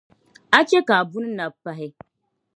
a chɛ ka a buni nabi pahi.